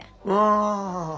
ああ。